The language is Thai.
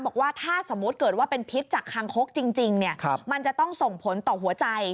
บอกว่าถ้าสมมุติเกิดว่าเป็นพิษจากคางคกจริงมันจะต้องส่งผลต่อหัวใจ